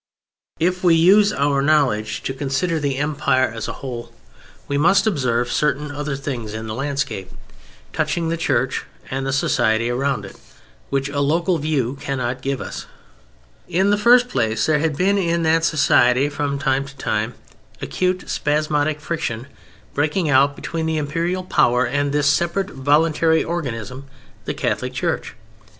If we use our knowledge to consider the Empire as a whole, we must observe certain other things in the landscape, touching the Church and the society around it, which a local view cannot give us. In the first place there had been in that society from time to time acute spasmodic friction breaking out between the Imperial power and this separate voluntary organism, the Catholic Church.